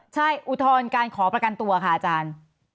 ใช่อุทธรณ์การขอประกันตัวค่ะอาจารย์